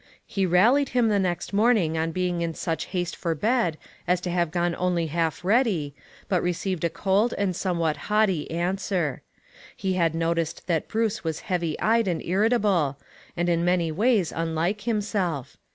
He rallied him the next morning on being in such haste for bed as to have gone only half ready, but received a cold and some what haughty answer. He had noticed that Bruce was heavy eyed and irritable, and in many ways unlike himself.